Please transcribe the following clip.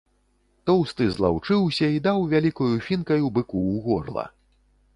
Тоўсты злаўчыўся і даў вялікаю фінкаю быку ў горла.